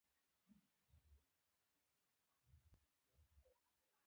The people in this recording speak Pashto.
د څېلې یخه څپه برې تېره شوې وه ډېر یخ و.